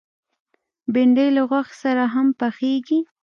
بېنډۍ له غوښې سره هم پخېږي